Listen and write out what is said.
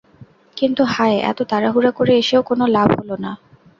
কিন্তু হায়! এত তাড়াহুড়া করে এসেও কোন লাভ হল না।